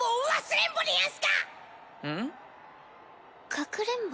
かくれんぼ？